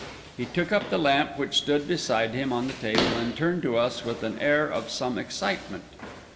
He took up the lamp which stood beside him on the table, and turned to us with an air of some excitement.